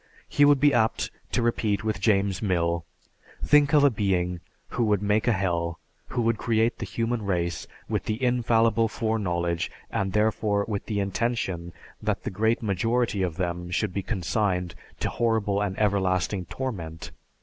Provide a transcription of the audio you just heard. He would be apt to repeat with James Mill, "Think of a being who would make a Hell, who would create the human race with the infallible foreknowledge and therefore with the intention that the great majority of them should be consigned to horrible and everlasting torment."